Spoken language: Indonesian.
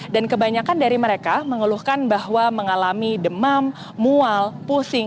dan kebanyakan dari mereka mengeluhkan bahwa mengalami demam mual pusing